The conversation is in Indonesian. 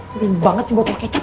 mending banget si botol kecap